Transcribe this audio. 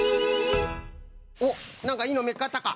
おっなんかいいのみつかったか？